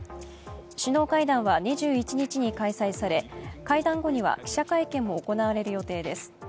首脳会談は２１日に開催され、会談後には記者会見も行われる予定です。